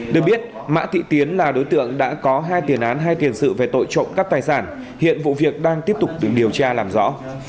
được biết mã thị tiến là đối tượng đã có hai tiền án hai tiền sự về tội trộm cắp tài sản hiện vụ việc đang tiếp tục được điều tra làm rõ